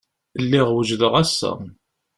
Lliɣ wejdeɣ assa.